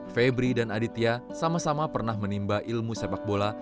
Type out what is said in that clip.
febri dan aditya sama sama pernah menimba ilmu sepak bola